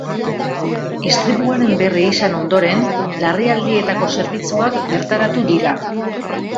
Istripuaren berri izan ondoren, larrialdietako zerbitzuak bertaratu dira.